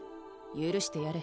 許してやれ。